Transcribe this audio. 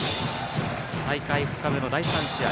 大会２日目の第３試合。